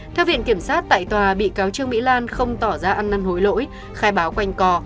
theo viện kiểm sát tại tòa bị cáo trương mỹ lan không tỏ ra ăn năn hối lỗi khai báo quanh cò